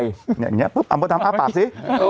อย่างนี้ปุ๊บเอามาทำอ้าปากสิ